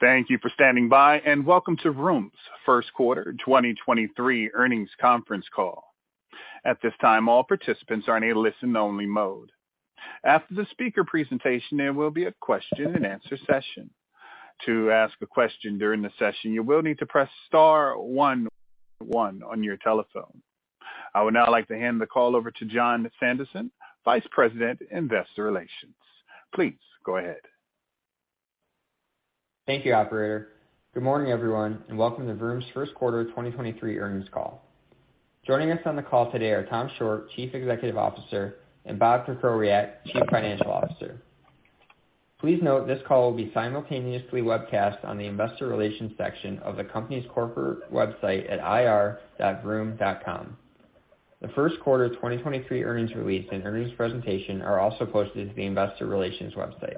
Thank you for standing by welcome to Vroom's first quarter 2023 earnings conference call. At this time, all participants are in a listen only mode. After the speaker presentation, there will be a question and answer session. To ask a question during the session, you will need to press star one one on your telephone. I would now like to hand the call over to Jon Sandison, Vice President, Investor Relations. Please go ahead. Thank you, operator. Good morning, everyone, and welcome to Vroom's first quarter 2023 earnings call. Joining us on the call today are Tom Shortt, Chief Executive Officer, and Bob Krakowiak, Chief Financial Officer. Please note this call will be simultaneously webcast on the investor relations section of the company's corporate website at ir.vroom.com. The first quarter 2023 earnings release and earnings presentation are also posted to the investor relations website.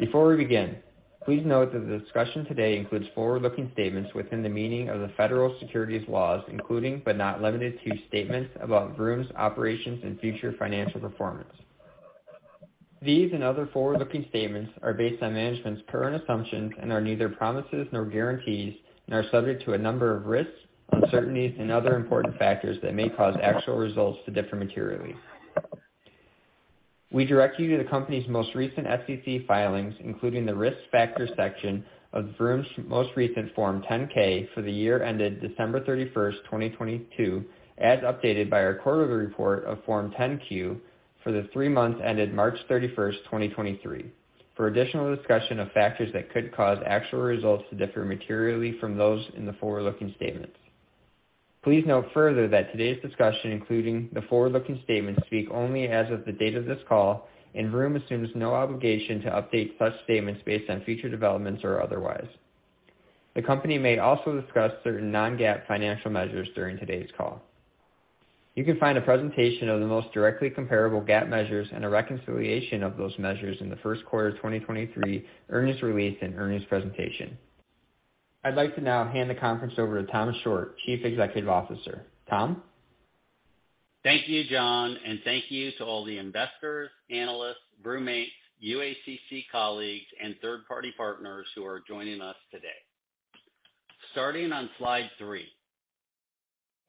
Before we begin, please note that the discussion today includes forward-looking statements within the meaning of the federal securities laws, including but not limited to statements about Vroom's operations and future financial performance. These and other forward-looking statements are based on management's current assumptions and are neither promises nor guarantees and are subject to a number of risks, uncertainties, and other important factors that may cause actual results to differ materially. We direct you to the company's most recent SEC filings, including the Risk Factors section of Vroom's most recent Form 10-K for the year ended December 31st, 2022, as updated by our quarterly report of Form 10-Q for the three months ended March 31st, 2023. For additional discussion of factors that could cause actual results to differ materially from those in the forward-looking statements. Please note further that today's discussion, including the forward-looking statements, speak only as of the date of this call, and Vroom assumes no obligation to update such statements based on future developments or otherwise. The company may also discuss certain non-GAAP financial measures during today's call. You can find a presentation of the most directly comparable GAAP measures and a reconciliation of those measures in the first quarter of 2023 earnings release and earnings presentation. I'd like to now hand the conference over to Tom Shortt, Chief Executive Officer. Tom? Thank you, Jon, and thank you to all the investors, analysts, Vroommates, UACC colleagues, and third-party partners who are joining us today. Starting on slide three.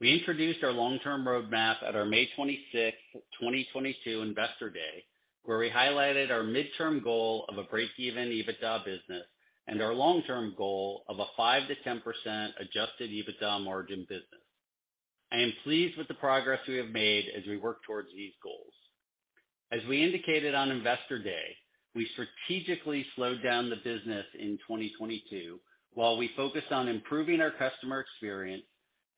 We introduced our long-term roadmap at our May 26th, 2022 Investor Day, where we highlighted our midterm goal of a break-even EBITDA business and our long-term goal of a 5%-10% Adjusted EBITDA margin business. I am pleased with the progress we have made as we work towards these goals. As we indicated on Investor Day, we strategically slowed down the business in 2022 while we focused on improving our customer experience,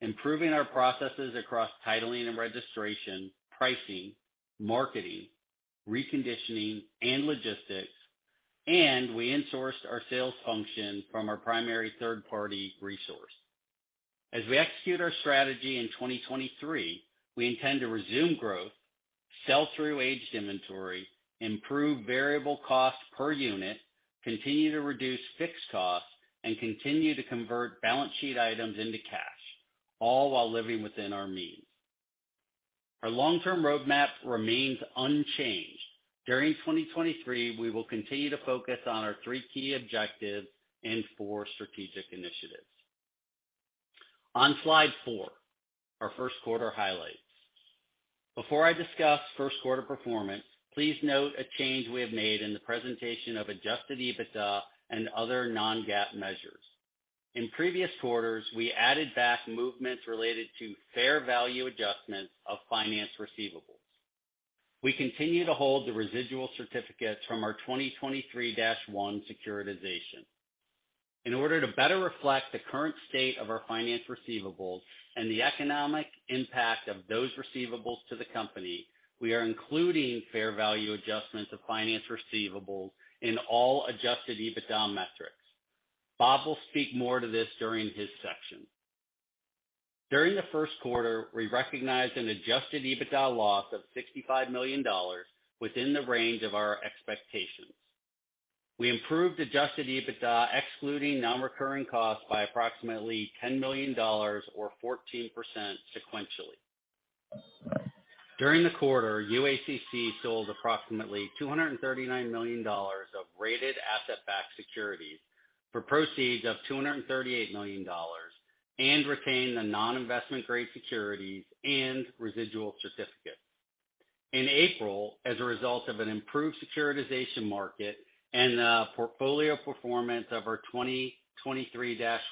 improving our processes across titling and registration, pricing, marketing, reconditioning, and logistics, and we insourced our sales function from our primary third-party resource. As we execute our strategy in 2023, we intend to resume growth, sell through aged inventory, improve variable cost per unit, continue to reduce fixed costs, and continue to convert balance sheet items into cash, all while living within our means. Our long-term roadmap remains unchanged. During 2023, we will continue to focus on our three key objectives and four strategic initiatives. On slide four, our first quarter highlights. Before I discuss first quarter performance, please note a change we have made in the presentation of Adjusted EBITDA and other non-GAAP measures. In previous quarters, we added back movements related to fair value adjustments of finance receivables. We continue to hold the residual certificates from our 2023-1 securitization. In order to better reflect the current state of our finance receivables and the economic impact of those receivables to the company, we are including fair value adjustments of finance receivables in all Adjusted EBITDA metrics. Bob will speak more to this during his section. During the first quarter, we recognized an Adjusted EBITDA loss of $65 million within the range of our expectations. We improved Adjusted EBITDA excluding non-recurring costs by approximately $10 million or 14% sequentially. During the quarter, UACC sold approximately $239 million of rated asset-backed securities for proceeds of $238 million and retained the non-investment grade securities and residual certificates. In April, as a result of an improved securitization market and the portfolio performance of our 2023-1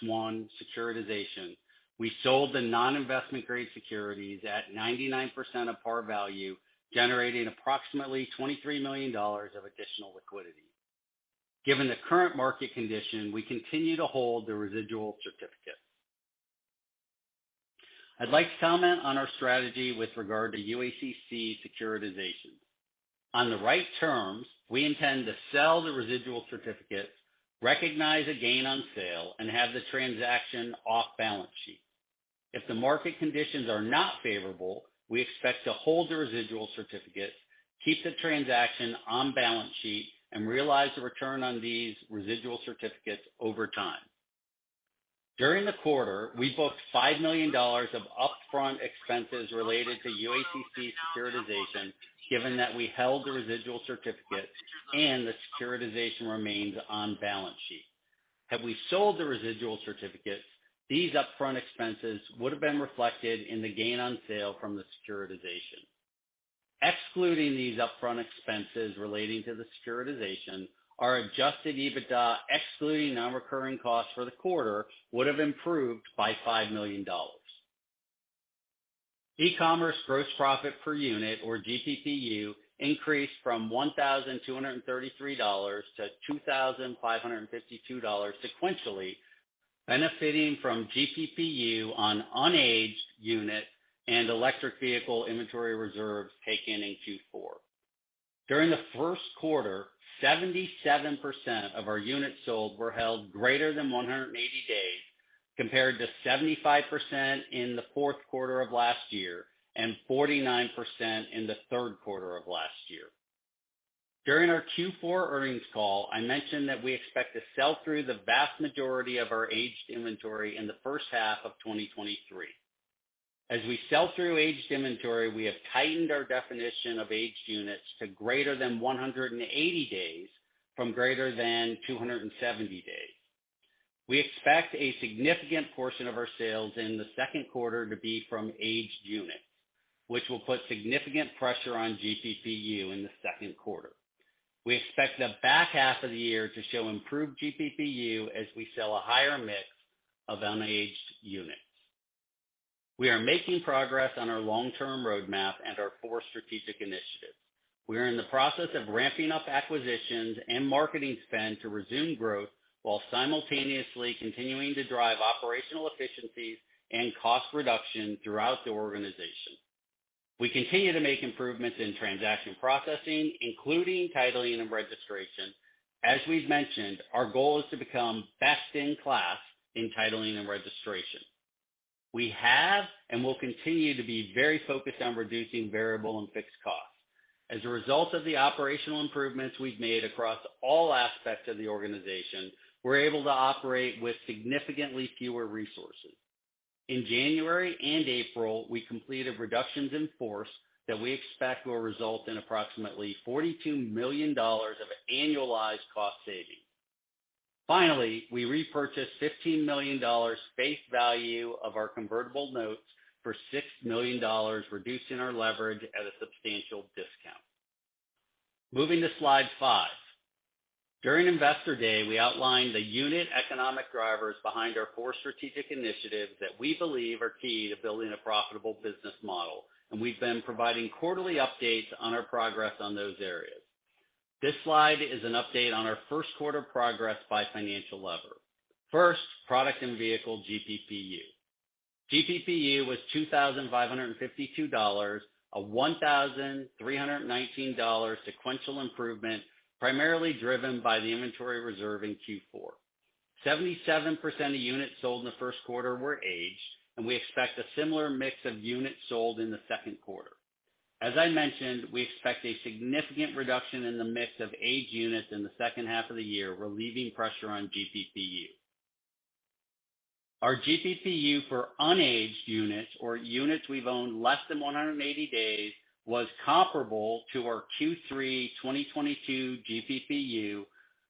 securitization, we sold the non-investment grade securities at 99% of par value, generating approximately $23 million of additional liquidity. Given the current market condition, we continue to hold the residual certificate. I'd like to comment on our strategy with regard to UACC securitizations. On the right terms, we intend to sell the residual certificate, recognize a gain on sale, and have the transaction off balance sheet. If the market conditions are not favorable, we expect to hold the residual certificate, keep the transaction on balance sheet, and realize the return on these residual certificates over time. During the quarter, we booked $5 million of upfront expenses related to UACC securitization, given that we held the residual certificate and the securitization remains on balance sheet. Had we sold the residual certificate, these upfront expenses would have been reflected in the gain on sale from the securitization. Excluding these upfront expenses relating to the securitization, our Adjusted EBITDA, excluding non-recurring costs for the quarter, would have improved by $5 million. E-commerce gross profit per unit or GPPU increased from $1,233 to $2,552 sequentially, benefiting from GPPU on unaged unit and electric vehicle inventory reserves taken in Q4. During the first quarter, 77% of our units sold were held greater than 180 days, compared to 75% in the fourth quarter of last year and 49% in the third quarter of last year. During our Q4 earnings call, I mentioned that we expect to sell through the vast majority of our aged inventory in the first half of 2023. As we sell through aged inventory, we have tightened our definition of aged units to greater than 180 days from greater than 270 days. We expect a significant portion of our sales in the second quarter to be from aged units, which will put significant pressure on GPPU in the second quarter. We expect the back half of the year to show improved GPPU as we sell a higher mix of unaged units. We are making progress on our long-term roadmap and our four strategic initiatives. We are in the process of ramping up acquisitions and marketing spend to resume growth while simultaneously continuing to drive operational efficiencies and cost reduction throughout the organization. We continue to make improvements in transaction processing, including titling and registration. As we've mentioned, our goal is to become best in class in titling and registration. We have and will continue to be very focused on reducing variable and fixed costs. As a result of the operational improvements we've made across all aspects of the organization, we're able to operate with significantly fewer resources. In January and April, we completed reductions in force that we expect will result in approximately $42 million of annualized cost savings. Finally, we repurchased $15 million face value of our convertible notes for $6 million, reducing our leverage at a substantial discount. Moving to slide five. During Investor Day, we outlined the unit economic drivers behind our four strategic initiatives that we believe are key to building a profitable business model. We've been providing quarterly updates on our progress on those areas. This slide is an update on our first quarter progress by financial lever. First, product and vehicle GPPU. GPPU was $2,552, a $1,319 sequential improvement, primarily driven by the inventory reserve in Q4. 77% of units sold in the first quarter were aged. We expect a similar mix of units sold in the second quarter. As I mentioned, we expect a significant reduction in the mix of aged units in the second half of the year, relieving pressure on GPPU. Our GPPU for unaged units or units we've owned less than 180 days was comparable to our Q3 2022 GPPU,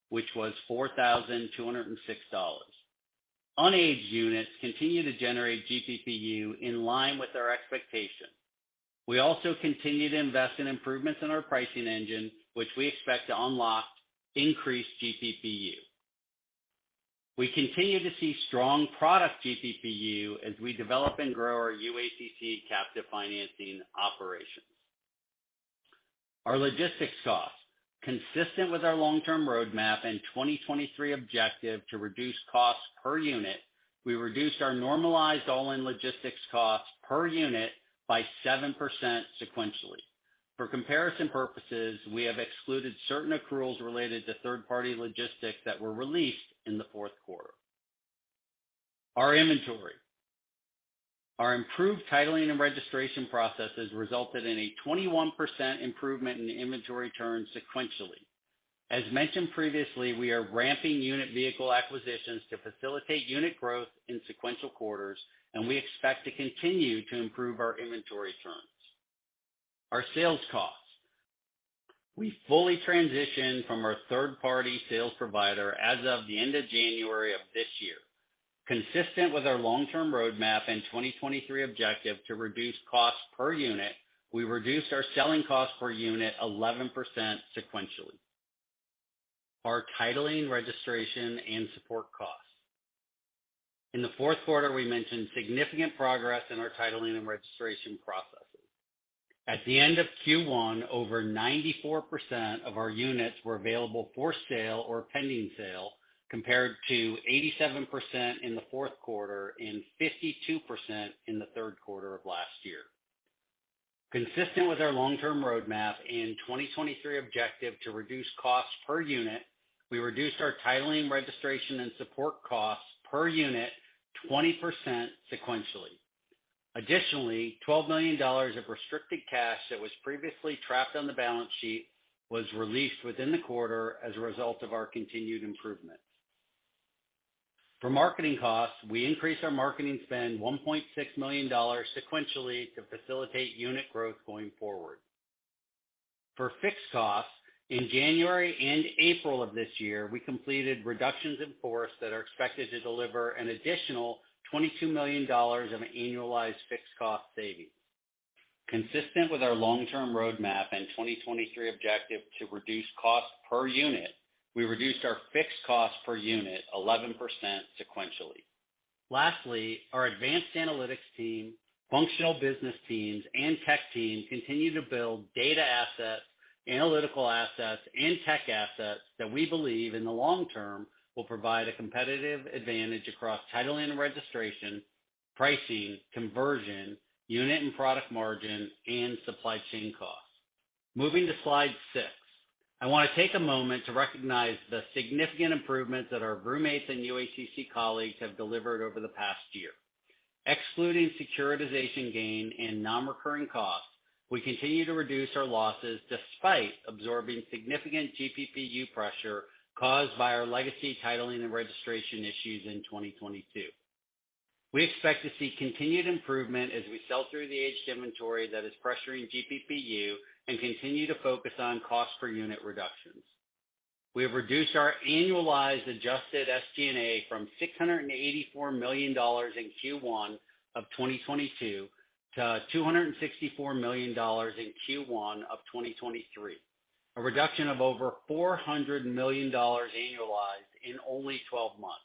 which was $4,206. Unaged units continue to generate GPPU in line with our expectations. We also continue to invest in improvements in our pricing engine, which we expect to unlock increased GPPU. We continue to see strong product GPPU as we develop and grow our UACC captive financing operations. Our logistics costs. Consistent with our long-term roadmap and 2023 objective to reduce costs per unit, we reduced our normalized all-in logistics costs per unit by 7% sequentially. For comparison purposes, we have excluded certain accruals related to third-party logistics that were released in the fourth quarter. Our inventory. Our improved titling and registration processes resulted in a 21% improvement in inventory turns sequentially. As mentioned previously, we are ramping unit vehicle acquisitions to facilitate unit growth in sequential quarters, and we expect to continue to improve our inventory turns. Our sales costs. We fully transitioned from our third-party sales provider as of the end of January of this year. Consistent with our long-term roadmap and 2023 objective to reduce costs per unit, we reduced our selling cost per unit 11% sequentially. Our titling, registration, and support costs. In the fourth quarter, we mentioned significant progress in our titling and registration processes. At the end of Q1, over 94% of our units were available for sale or pending sale, compared to 87% in the fourth quarter and 52% in the third quarter of last year. Consistent with our long-term roadmap and 2023 objective to reduce costs per unit, we reduced our titling, registration, and support costs per unit 20% sequentially. Additionally, $12 million of restricted cash that was previously trapped on the balance sheet was released within the quarter as a result of our continued improvements. For marketing costs, we increased our marketing spend $1.6 million sequentially to facilitate unit growth going forward. For fixed costs, in January and April of this year, we completed reductions in force that are expected to deliver an additional $22 million of annualized fixed cost savings. Consistent with our long-term roadmap and 2023 objective to reduce cost per unit, we reduced our fixed cost per unit 11% sequentially. Lastly, our advanced analytics team, functional business teams, and tech team continue to build data assets, analytical assets, and tech assets that we believe, in the long term, will provide a competitive advantage across title and registration, pricing, conversion, unit and product margin, and supply chain costs. Moving to slide six, I want to take a moment to recognize the significant improvements that our Vroommates and UACC colleagues have delivered over the past year. Excluding securitization gain and non-recurring costs, we continue to reduce our losses despite absorbing significant GPPU pressure caused by our legacy titling and registration issues in 2022. We expect to see continued improvement as we sell through the aged inventory that is pressuring GPPU and continue to focus on cost per unit reductions. We have reduced our annualized adjusted SG&A from $684 million in Q1 of 2022 to $264 million in Q1 of 2023, a reduction of over $400 million annualized in only 12 months.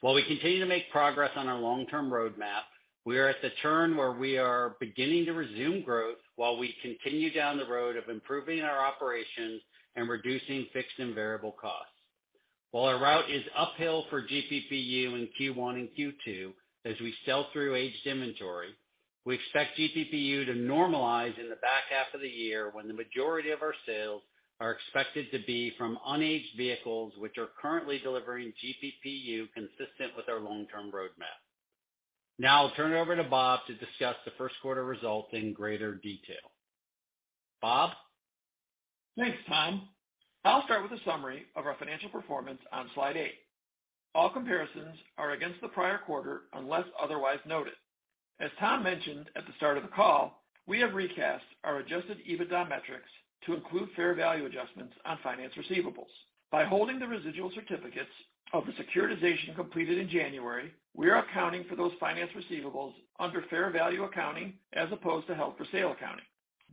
While we continue to make progress on our long-term roadmap, we are at the turn where we are beginning to resume growth while we continue down the road of improving our operations and reducing fixed and variable costs. While our route is uphill for GPPU in Q1 and Q2 as we sell through aged inventory, we expect GPPU to normalize in the back half of the year when the majority of our sales are expected to be from unaged vehicles, which are currently delivering GPPU consistent with our long-term roadmap. I'll turn it over to Bob to discuss the first quarter results in greater detail. Bob? Thanks, Tom. I'll start with a summary of our financial performance on slide eight. All comparisons are against the prior quarter, unless otherwise noted. As Tom mentioned at the start of the call, we have recast our Adjusted EBITDA metrics to include fair value adjustments on finance receivables. By holding the residual certificates of the securitization completed in January, we are accounting for those finance receivables under fair value accounting as opposed to held for sale accounting.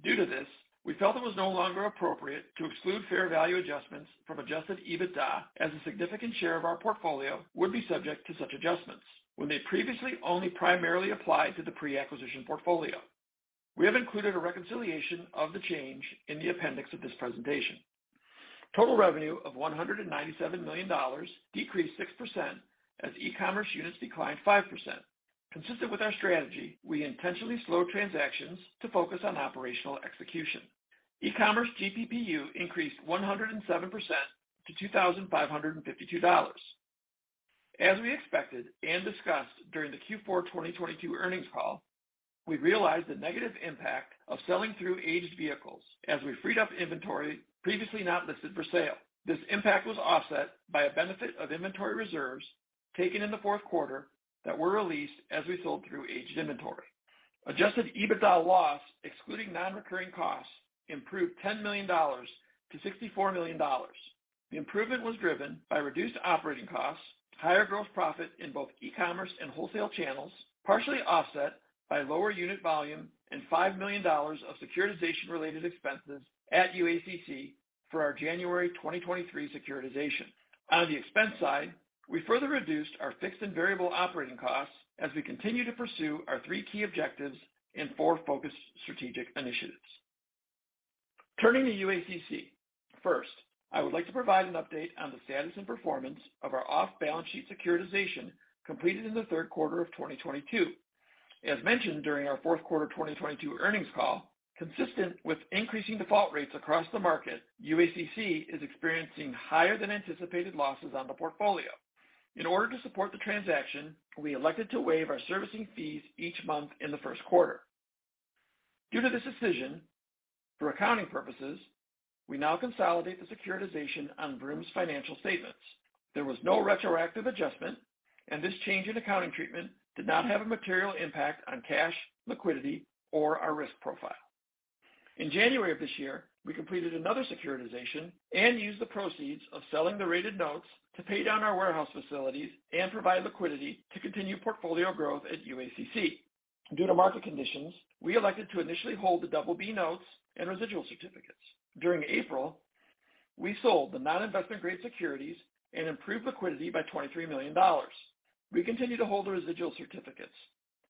Due to this, we felt it was no longer appropriate to exclude fair value adjustments from Adjusted EBITDA, as a significant share of our portfolio would be subject to such adjustments when they previously only primarily applied to the pre-acquisition portfolio. We have included a reconciliation of the change in the appendix of this presentation. Total revenue of $197 million decreased 6%, as E-commerce units declined 5%. Consistent with our strategy, we intentionally slowed transactions to focus on operational execution. E-commerce GPPU increased 107% to $2,552. As we expected and discussed during the Q4 2022 earnings call, we realized the negative impact of selling through aged vehicles as we freed up inventory previously not listed for sale. This impact was offset by a benefit of inventory reserves taken in the fourth quarter that were released as we sold through aged inventory. Adjusted EBITDA loss, excluding non-recurring costs, improved $10 million to $64 million. The improvement was driven by reduced operating costs, higher gross profit in both e-commerce and wholesale channels, partially offset by lower unit volume and $5 million of securitization-related expenses at UACC for our January 2023 securitization. On the expense side, we further reduced our fixed and variable operating costs as we continue to pursue our three key objectives and four focused strategic initiatives. Turning to UACC. First, I would like to provide an update on the status and performance of our off-balance sheet securitization completed in the 3rd quarter of 2022. As mentioned during our 4th quarter 2022 earnings call, consistent with increasing default rates across the market, UACC is experiencing higher than anticipated losses on the portfolio. In order to support the transaction, we elected to waive our servicing fees each month in the 1st quarter. Due to this decision, for accounting purposes, we now consolidate the securitization on Vroom's financial statements. There was no retroactive adjustment, and this change in accounting treatment did not have a material impact on cash, liquidity, or our risk profile. In January of this year, we completed another securitization and used the proceeds of selling the rated notes to pay down our warehouse facilities and provide liquidity to continue portfolio growth at UACC. Due to market conditions, we elected to initially hold the BB notes and residual certificates. During April, we sold the non-investment-grade securities and improved liquidity by $23 million. We continue to hold the residual certificates.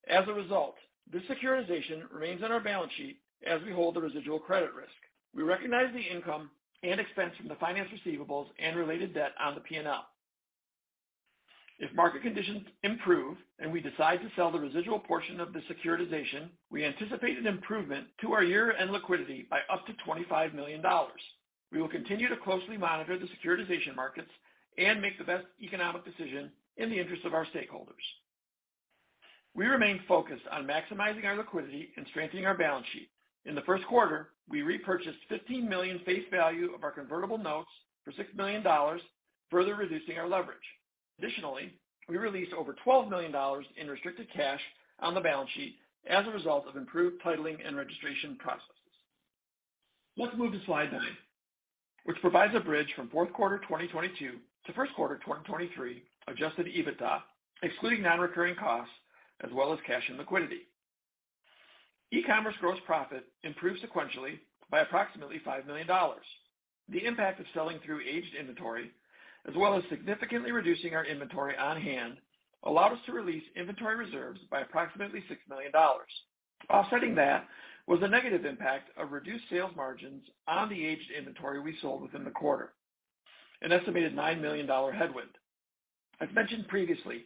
As a result, this securitization remains on our balance sheet as we hold the residual credit risk. We recognize the income and expense from the finance receivables and related debt on the P&L. If market conditions improve and we decide to sell the residual portion of the securitization, we anticipate an improvement to our year-end liquidity by up to $25 million. We will continue to closely monitor the securitization markets and make the best economic decision in the interest of our stakeholders. We remain focused on maximizing our liquidity and strengthening our balance sheet. In the first quarter, we repurchased $15 million face value of our convertible notes for $6 million, further reducing our leverage. We released over $12 million in restricted cash on the balance sheet as a result of improved titling and registration processes. Let's move to slide 9, which provides a bridge from fourth quarter 2022 to first quarter 2023 Adjusted EBITDA, excluding non-recurring costs as well as cash and liquidity. E-commerce gross profit improved sequentially by approximately $5 million. The impact of selling through aged inventory, as well as significantly reducing our inventory on hand, allowed us to release inventory reserves by approximately $6 million. Offsetting that was the negative impact of reduced sales margins on the aged inventory we sold within the quarter, an estimated $9 million headwind. As mentioned previously,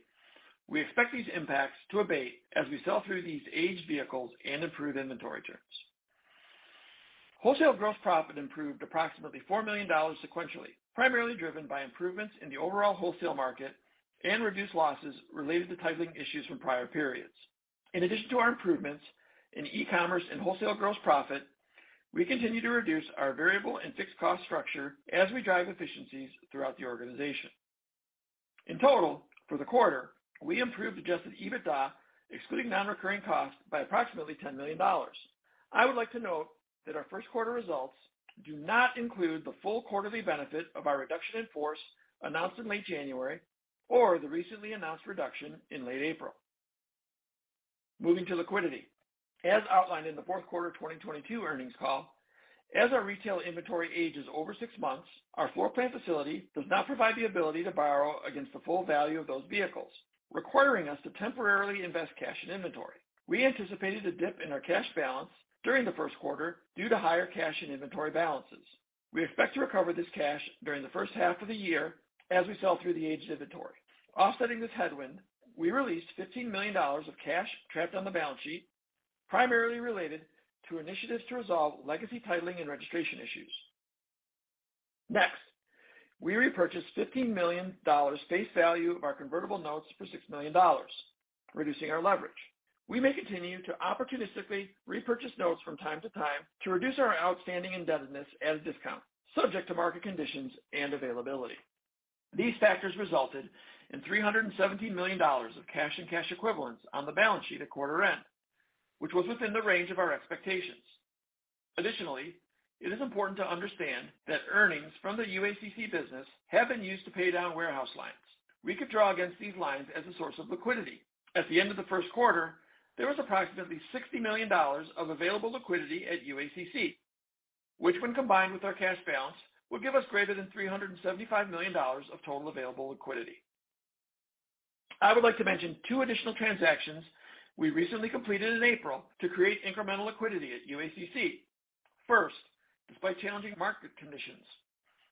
we expect these impacts to abate as we sell through these aged vehicles and improve inventory turns. Wholesale gross profit improved approximately $4 million sequentially, primarily driven by improvements in the overall wholesale market and reduced losses related to titling issues from prior periods. In addition to our improvements in e-commerce and wholesale gross profit, we continue to reduce our variable and fixed cost structure as we drive efficiencies throughout the organization. In total, for the quarter, we improved Adjusted EBITDA excluding non-recurring costs by approximately $10 million. I would like to note that our first quarter results do not include the full quarterly benefit of our reduction in force announced in late January or the recently announced reduction in late April. Moving to liquidity. As outlined in the fourth quarter 2022 earnings call, as our retail inventory ages over six months, our floor plan facility does not provide the ability to borrow against the full value of those vehicles, requiring us to temporarily invest cash in inventory. We anticipated a dip in our cash balance during the first quarter due to higher cash and inventory balances. We expect to recover this cash during the first half of the year as we sell through the aged inventory. Offsetting this headwind, we released $15 million of cash trapped on the balance sheet, primarily related to initiatives to resolve legacy titling and registration issues. We repurchased $15 million face value of our convertible notes for $6 million, reducing our leverage. We may continue to opportunistically repurchase notes from time to time to reduce our outstanding indebtedness at a discount, subject to market conditions and availability. These factors resulted in $317 million of cash and cash equivalents on the balance sheet at quarter end, which was within the range of our expectations. It is important to understand that earnings from the UACC business have been used to pay down warehouse lines. We could draw against these lines as a source of liquidity. At the end of the first quarter, there was approximately $60 million of available liquidity at UACC, which when combined with our cash balance, would give us greater than $375 million of total available liquidity. I would like to mention two additional transactions we recently completed in April to create incremental liquidity at UACC. First, despite challenging market conditions,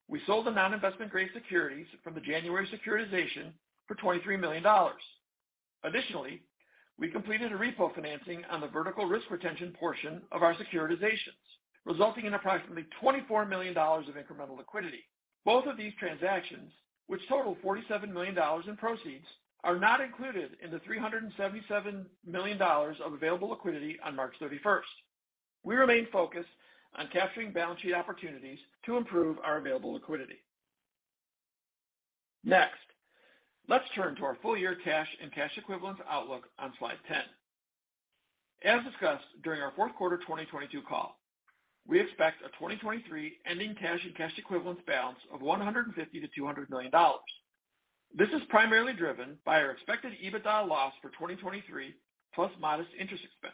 we sold the non-investment-grade securities from the January securitization for $23 million. We completed a repo financing on the vertical risk retention portion of our securitizations, resulting in approximately $24 million of incremental liquidity. Both of these transactions, which total $47 million in proceeds, are not included in the $377 million of available liquidity on March 31st. We remain focused on capturing balance sheet opportunities to improve our available liquidity. Next, let's turn to our full year cash and cash equivalents outlook on slide 10. As discussed during our fourth quarter 2022 call, we expect a 2023 ending cash and cash equivalents balance of $150 million-$200 million. This is primarily driven by our expected EBITDA loss for 2023 plus modest interest expense.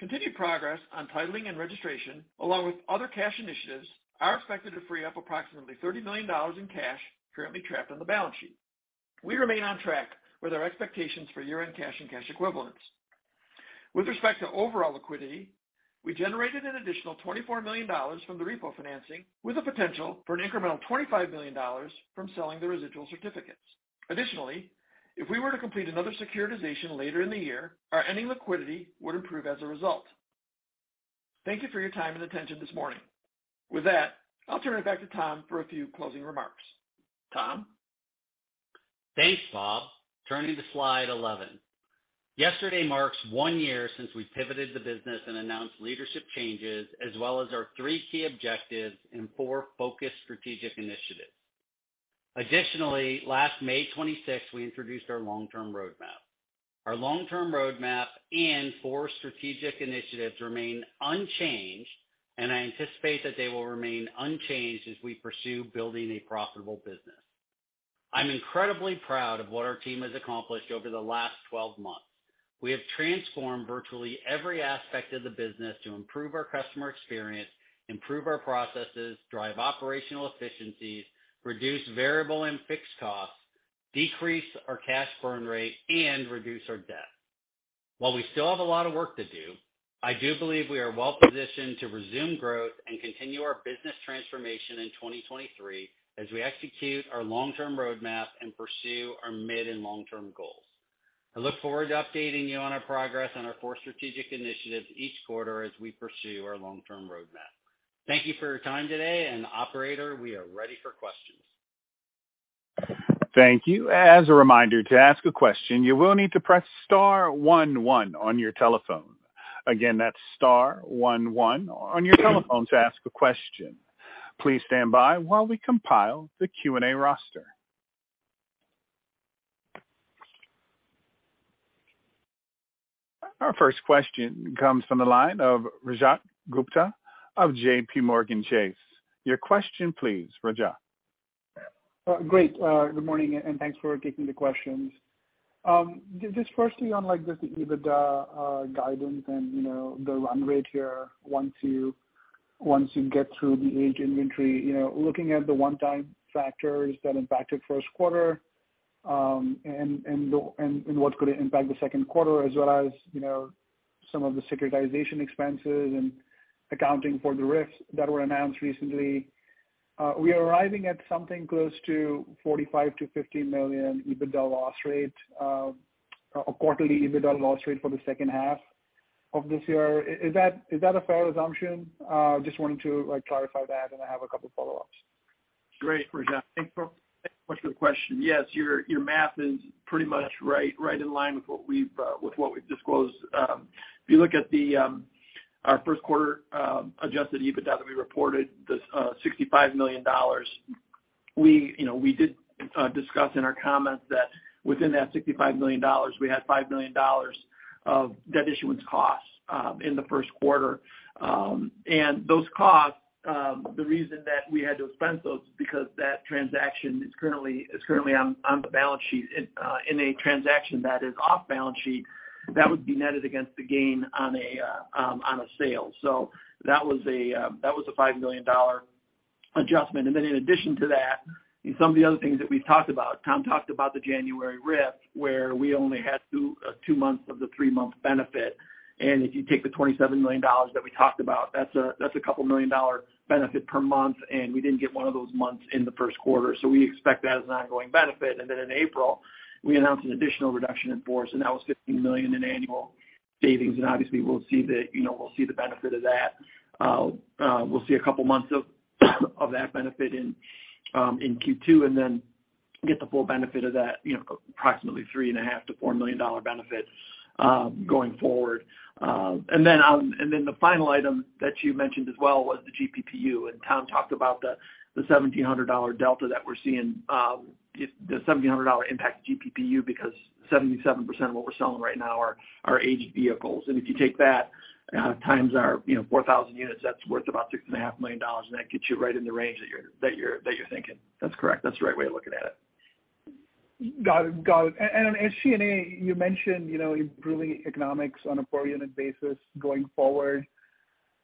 Continued progress on titling and registration, along with other cash initiatives, are expected to free up approximately $30 million in cash currently trapped on the balance sheet. We remain on track with our expectations for year-end cash and cash equivalents. With respect to overall liquidity, we generated an additional $24 million from the repo financing with a potential for an incremental $25 million from selling the residual certificates. Additionally, if we were to complete another securitization later in the year, our ending liquidity would improve as a result. Thank you for your time and attention this morning. With that, I'll turn it back to Tom for a few closing remarks. Tom? Thanks, Bob. Turning to slide 11. Yesterday marks one year since we pivoted the business and announced leadership changes as well as our three key objectives and four focused strategic initiatives. Additionally, last May 26th, we introduced our long-term roadmap. Our long-term roadmap and four strategic initiatives remain unchanged, and I anticipate that they will remain unchanged as we pursue building a profitable business. I'm incredibly proud of what our team has accomplished over the last 12 months. We have transformed virtually every aspect of the business to improve our customer experience, improve our processes, drive operational efficiencies, reduce variable and fixed costs, decrease our cash burn rate, and reduce our debt. While we still have a lot of work to do, I do believe we are well-positioned to resume growth and continue our business transformation in 2023 as we execute our long-term roadmap and pursue our mid and long-term goals. I look forward to updating you on our progress on our four strategic initiatives each quarter as we pursue our long-term roadmap. Thank you for your time today, and operator, we are ready for questions. Thank you. As a reminder, to ask a question, you will need to press star 11 on your telephone. Again, that's star one one on your telephone to ask a question. Please stand by while we compile the Q&A roster. Our first question comes from the line of Rajat Gupta of J.P. Morgan. Your question please, Rajat. Great. Good morning, thanks for taking the questions. Just firstly on like this EBITDA guidance and, you know, the run rate here once you get through the aged inventory. You know, looking at the one-time factors that impacted first quarter, and what could it impact the second quarter as well as, you know, some of the securitization expenses and accounting for the RIFs that were announced recently. We are arriving at something close to $45 million-$50 million EBITDA loss rate, or quarterly EBITDA loss rate for the second half of this year. Is that a fair assumption? Just wanted to, like, clarify that. I have a couple follow-ups. Great, Rajat. Thanks so much for the question. Yes, your math is pretty much right in line with what we've disclosed. If you look at the our first quarter Adjusted EBITDA that we reported, this $65 million, we, you know, we did discuss in our comments that within that $65 million, we had $5 million of debt issuance costs in the first quarter. And those costs, the reason that we had to expense those is because that transaction is currently on the balance sheet. In a transaction that is off balance sheet, that would be netted against the gain on a sale. That was a $5 million adjustment. In addition to that, in some of the other things that we talked about, Tom talked about the January RIF where we only had two months of the three-month benefit. If you take the $27 million that we talked about, that's a couple million dollar benefit per month, and we didn't get one of those months in the first quarter. We expect that as an ongoing benefit. In April, we announced an additional reduction in force, and that was $15 million in annual savings. Obviously we'll see the, you know, we'll see the benefit of that. We'll see two months of that benefit in Q2 and then get the full benefit of that, you know, approximately $3.5 million-$4 million benefit going forward. The final item that you mentioned as well was the GPPU, Tom talked about the $1,700 delta that we're seeing, the $1,700 impact to GPPU because 77% of what we're selling right now are aged vehicles. If you take that times our, you know, 4,000 units, that's worth about six and a half million dollars, and that gets you right in the range that you're thinking. That's correct. That's the right way of looking at it. Got it. Got it. As CNA, you mentioned, you know, improving economics on a per unit basis going forward.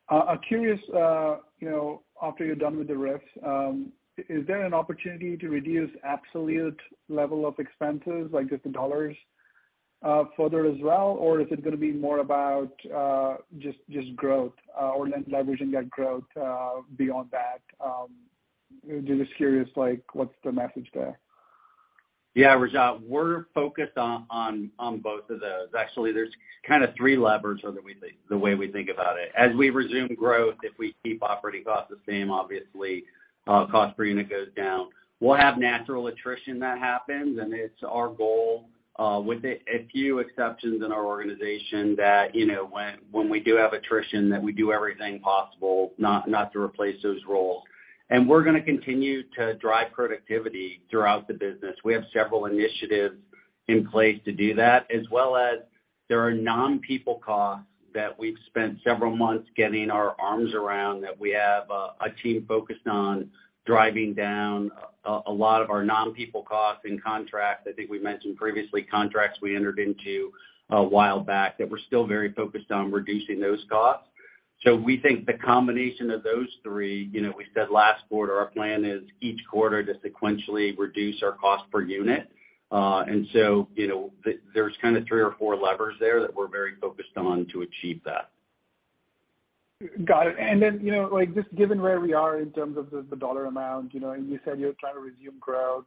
I'm curious, you know, after you're done with the RIFs, is there an opportunity to reduce absolute level of expenses, like just the dollars, further as well, or is it gonna be more about just growth or leveraging that growth beyond that? Just curious, like what's the message there? Yeah, Rajat, we're focused on both of those. Actually, there's kind of three levers the way we think about it. As we resume growth, if we keep operating costs the same, obviously, cost per unit goes down. We'll have natural attrition that happens, and it's our goal, with a few exceptions in our organization that, you know, when we do have attrition that we do everything possible not to replace those roles. We're gonna continue to drive productivity throughout the business. We have several initiatives in place to do that, as well as there are non-people costs that we've spent several months getting our arms around, that we have a team focused on driving down a lot of our non-people costs in contracts. I think we mentioned previously contracts we entered into a while back that we're still very focused on reducing those costs. We think the combination of those three, you know, we said last quarter our plan is each quarter to sequentially reduce our cost per unit. you know, there's kind of three or four levers there that we're very focused on to achieve that. Got it. Then, you know, like just given where we are in terms of the dollar amount, you know, and you said you're trying to resume growth.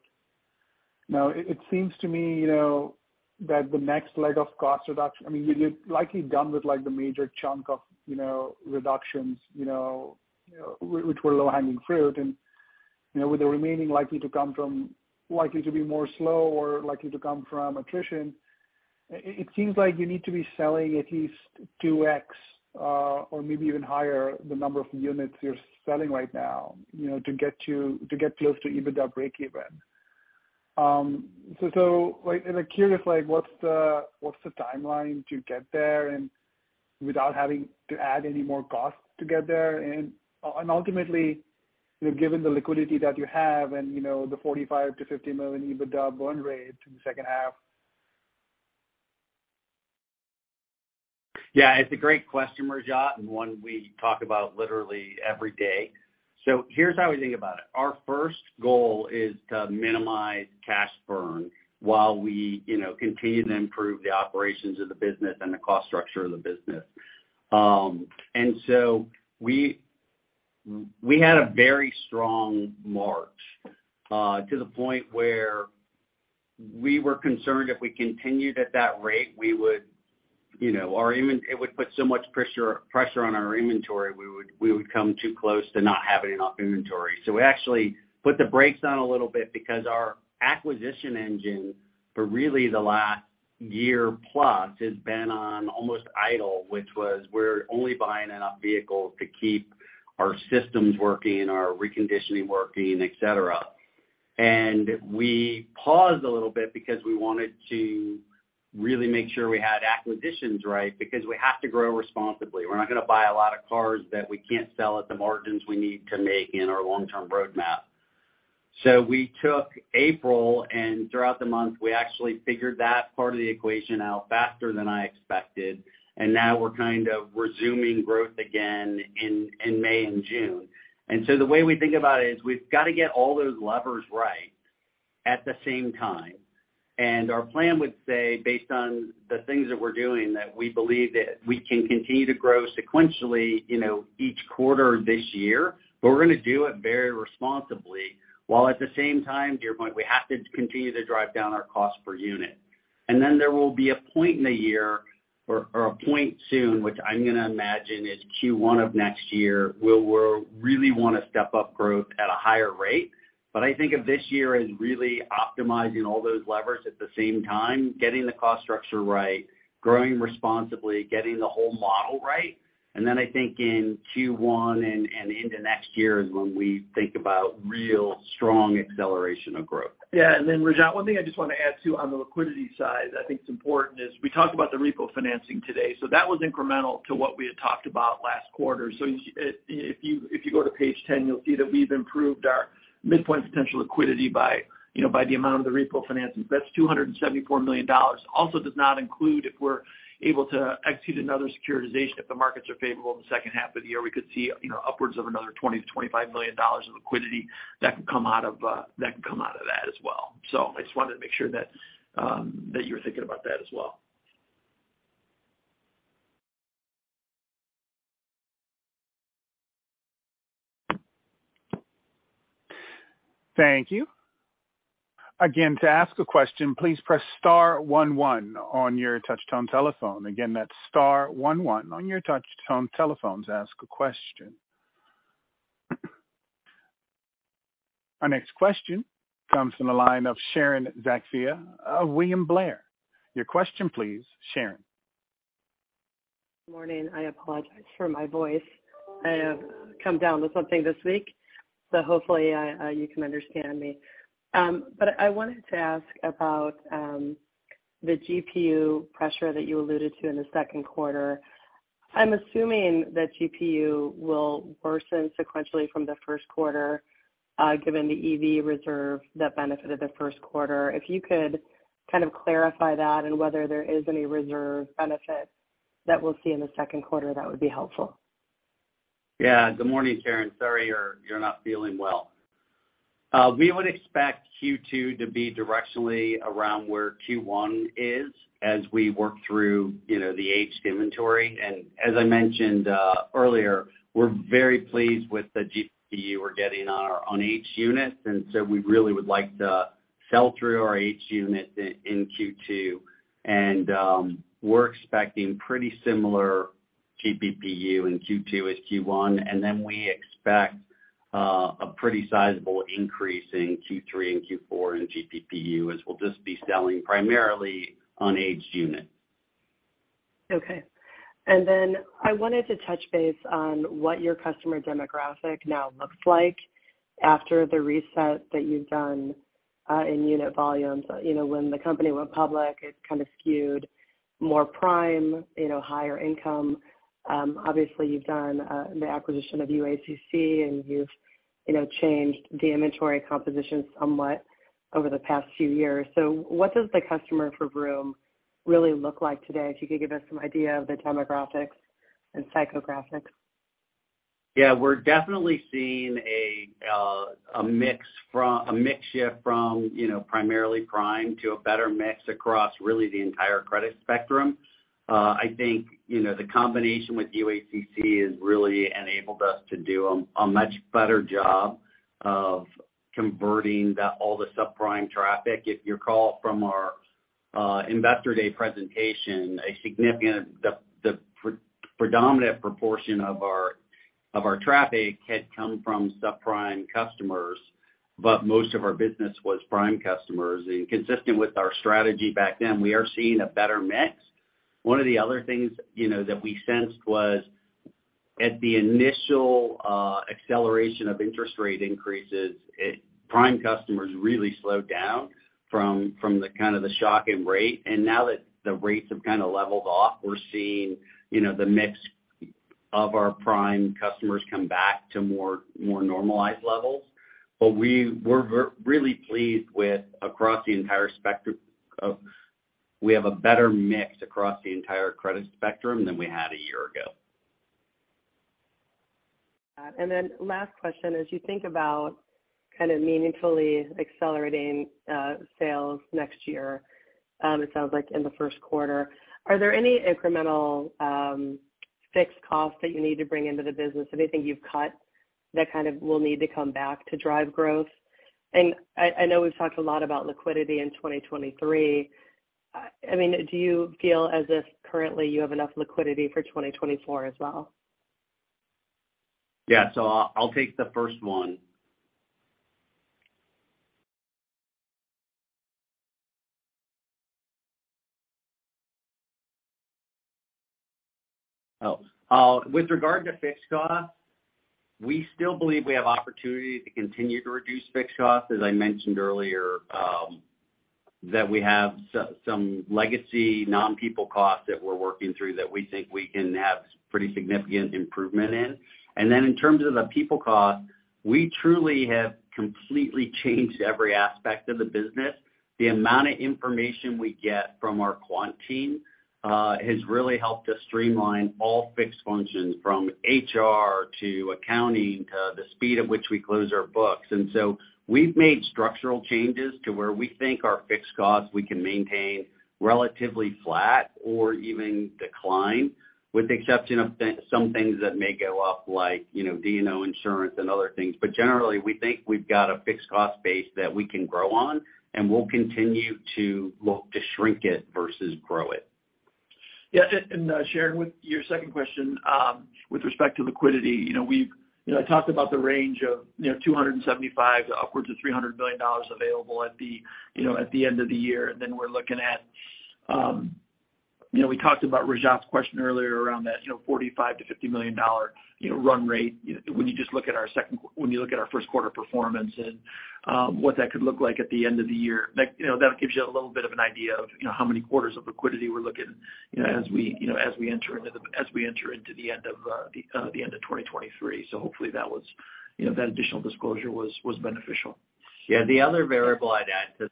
Now it seems to me, you know, that the next leg of cost reduction... I mean, you're likely done with like the major chunk of, you know, reductions, you know, which were low-hanging fruit. You know, with the remaining likely to come from likely to be more slow or likely to come from attrition, it seems like you need to be selling at least 2x, or maybe even higher the number of units you're selling right now, you know, to get to get close to EBITDA breakeven. So, like, and I'm curious what's the timeline to get there and without having to add any more costs to get there? ultimately, you know, given the liquidity that you have and, you know, the $45 million-$50 million EBITDA burn rate in the second half. It's a great question, Rajat, and one we talk about literally every day. Here's how we think about it. Our first goal is to minimize cash burn while we, you know, continue to improve the operations of the business and the cost structure of the business. We had a very strong March to the point where we were concerned if we continued at that rate, we would, you know, it would put so much pressure on our inventory, we would come too close to not having enough inventory. We actually put the brakes on a little bit because our acquisition engine for really the last year plus has been on almost idle, which was we're only buying enough vehicles to keep our systems working, our reconditioning working, et cetera. We paused a little bit because we wanted to really make sure we had acquisitions right because we have to grow responsibly. We're not going to buy a lot of cars that we can't sell at the margins we need to make in our long-term roadmap. We took April, and throughout the month, we actually figured that part of the equation out faster than I expected. Now we're kind of resuming growth again in May and June. The way we think about it is we've got to get all those levers right at the same time. Our plan would say, based on the things that we're doing, that we believe that we can continue to grow sequentially, you know, each quarter this year, but we're going to do it very responsibly, while at the same time, to your point, we have to continue to drive down our cost per unit. There will be a point in the year or a point soon, which I'm going to imagine is Q1 of next year, where we'll really want to step up growth at a higher rate. I think of this year as really optimizing all those levers at the same time, getting the cost structure right, growing responsibly, getting the whole model right. I think in Q1 and into next year is when we think about real strong acceleration of growth. Yeah. Rajat, one thing I just want to add, too, on the liquidity side I think is important is we talked about the repo financing today. That was incremental to what we had talked about last quarter. If you go to page 10, you'll see that we've improved our midpoint potential liquidity by, you know, by the amount of the repo financing. That's $274 million. Also does not include if we're able to execute another securitization. If the markets are favorable in the second half of the year, we could see, you know, upwards of another $20 million-$25 million of liquidity that can come out of that can come out of that as well. I just wanted to make sure that you were thinking about that as well. Thank you. Again, to ask a question, pleaseone one press star on your touch-tone telephone. Again, that's star one one on your touch-tone telephone to ask a question. Our next question comes from the line of Sharon Zackfia of William Blair. Your question, please, Sharon. Morning. I apologize for my voice. I have come down with something this week, so hopefully, you can understand me. I wanted to ask about the GPU pressure that you alluded to in the second quarter. I'm assuming that GPU will worsen sequentially from the first quarter, given the EV reserve that benefited the first quarter. If you could kind of clarify that and whether there is any reserve benefit that we'll see in the second quarter, that would be helpful. Yeah. Good morning, Sharon. Sorry you're not feeling well. We would expect Q2 to be directionally around where Q1 is as we work through, you know, the aged inventory. As I mentioned earlier, we're very pleased with the GPU we're getting on each unit. We really would like to sell through our aged unit in Q2. We're expecting pretty similar GPPU in Q2 as Q1, we expect a pretty sizable increase in Q3 and Q4 in GPPU as we'll just be selling primarily unaged units. Okay. I wanted to touch base on what your customer demographic now looks like after the reset that you've done in unit volumes. You know, when the company went public, it kind of skewed more prime, you know, higher income. Obviously, you've done the acquisition of UACC, and you've, you know, changed the inventory composition somewhat over the past few years. What does the customer for Vroom really look like today? If you could give us some idea of the demographics and psychographics. Yeah. We're definitely seeing a mix shift from, you know, primarily prime to a better mix across really the entire credit spectrum. I think, you know, the combination with UACC has really enabled us to do a much better job of converting all the subprime traffic. If you recall from our Investor Day presentation, the predominant proportion of our traffic had come from subprime customers, but most of our business was prime customers. Consistent with our strategy back then, we are seeing a better mix. One of the other things, you know, that we sensed was at the initial acceleration of interest rate increases, prime customers really slowed down from the kind of the shock in rate. Now that the rates have kind of leveled off, we're seeing, you know, the mix of our prime customers come back to more normalized levels. We were really pleased with across the entire spectrum, we have a better mix across the entire credit spectrum than we had a year ago. Last question, as you think about kind of meaningfully accelerating sales next year, it sounds like in the first quarter. Are there any incremental fixed costs that you need to bring into the business? Anything you've cut that kind of will need to come back to drive growth? I know we've talked a lot about liquidity in 2023. I mean, do you feel as if currently you have enough liquidity for 2024 as well? Yeah. I'll take the first one. With regard to fixed costs, we still believe we have opportunity to continue to reduce fixed costs. As I mentioned earlier, that we have some legacy non-people costs that we're working through that we think we can have pretty significant improvement in. In terms of the people cost, we truly have completely changed every aspect of the business. The amount of information we get from our quant team has really helped us streamline all fixed functions from HR to accounting to the speed at which we close our books. We've made structural changes to where we think our fixed costs we can maintain relatively flat or even decline, with the exception of some things that may go up like, you know, D&O insurance and other things. Generally, we think we've got a fixed cost base that we can grow on, and we'll continue to look to shrink it versus grow it. Yeah. Sharon, with your second question, with respect to liquidity, you know, we've, you know, I talked about the range of, you know, $275 million to upwards of $300 million available at the end of the year. We're looking at, you know, we talked about Rajat's question earlier around that, you know, $45 million-$50 million run rate when you look at our first quarter performance and what that could look like at the end of the year. That, you know, that gives you a little bit of an idea of, you know, how many quarters of liquidity we're looking, you know, as we, you know, as we enter into the, as we enter into the end of 2023. Hopefully that was, you know, that additional disclosure was beneficial. Yeah. The other variable I'd add to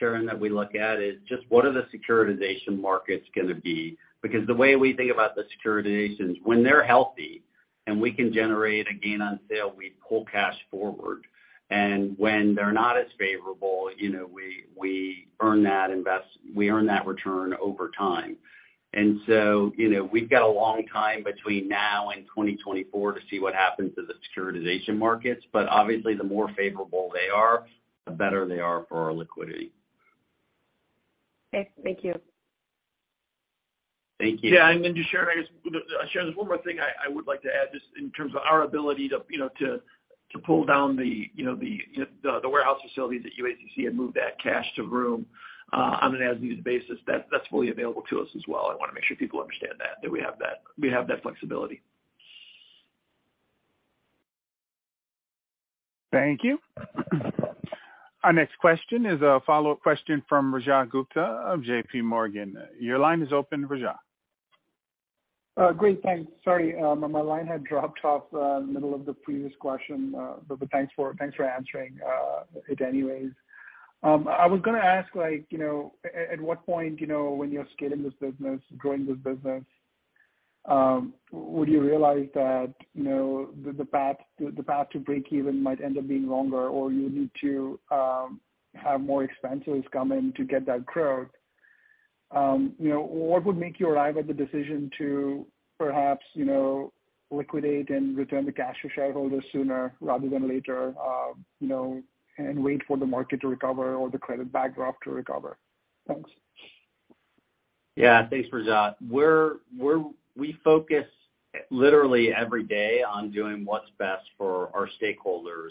Sharon that we look at is just what are the securitization markets gonna be? Because the way we think about the securitizations, when they're healthy and we can generate a gain on sale, we pull cash forward. When they're not as favorable, you know, we earn that return over time. You know, we've got a long time between now and 2024 to see what happens to the securitization markets. Obviously, the more favorable they are, the better they are for our liquidity. Okay. Thank you. Thank you. Yeah. Then just, Sharon, I guess, Sharon, there's one more thing I would like to add just in terms of our ability to, you know, to pull down the, you know, the warehouse facilities at UACC and move that cash to Vroom on an as-needed basis. That's fully available to us as well. I wanna make sure people understand that we have that flexibility. Thank you. Our next question is a follow-up question from Rajat Gupta of JP Morgan. Your line is open, Rajat. Great. Thanks. Sorry, my line had dropped off in the middle of the previous question. Thanks for answering it anyways. I was gonna ask, like, you know, at what point, you know, when you're scaling this business, growing this business, would you realize that, you know, the path to breakeven might end up being longer or you need to have more expenses come in to get that growth? You know, what would make you arrive at the decision to perhaps, you know, liquidate and return the cash to shareholders sooner rather than later, you know, and wait for the market to recover or the credit backdrop to recover? Thanks. Yeah. Thanks, Rajat. We focus literally every day on doing what's best for our stakeholders.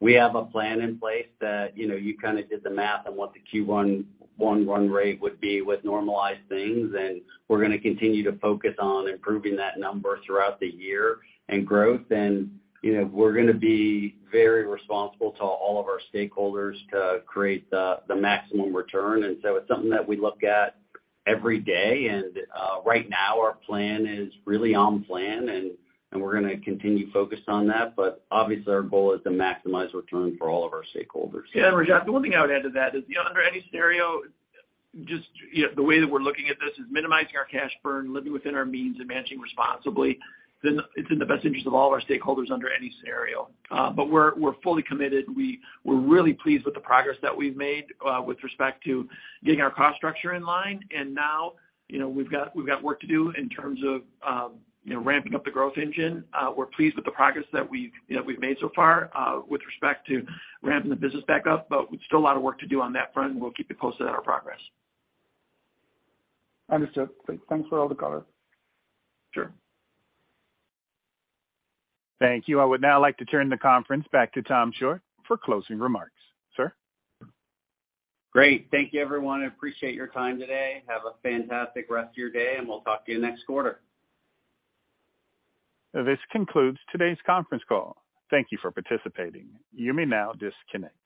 We have a plan in place that, you know, you kinda did the math on what the Q1 run rate would be with normalized things, and we're gonna continue to focus on improving that number throughout the year and growth. You know, we're gonna be very responsible to all of our stakeholders to create the maximum return. It's something that we look at every day. Right now, our plan is really on plan, and we're gonna continue focused on that. Obviously, our goal is to maximize return for all of our stakeholders. Rajat, the one thing I would add to that is, you know, under any scenario, just, you know, the way that we're looking at this is minimizing our cash burn, living within our means, and managing responsibly. It's in the best interest of all of our stakeholders under any scenario. We're fully committed. We're really pleased with the progress that we've made with respect to getting our cost structure in line. Now, you know, we've got work to do in terms of, you know, ramping up the growth engine. We're pleased with the progress that we've made so far with respect to ramping the business back up. We've still a lot of work to do on that front, we'll keep you posted on our progress. Understood. Great. Thanks for all the color. Sure. Thank you. I would now like to turn the conference back to Tom Shortt for closing remarks. Sir? Great. Thank you, everyone. I appreciate your time today. Have a fantastic rest of your day. We'll talk to you next quarter. This concludes today's conference call. Thank you for participating. You may now disconnect.